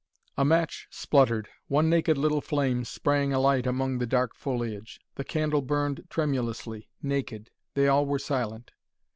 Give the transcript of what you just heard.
A match spluttered. One naked little flame sprang alight among the dark foliage. The candle burned tremulously, naked. They all were silent.